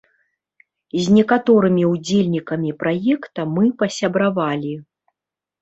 З некаторымі ўдзельнікамі праекта мы пасябравалі.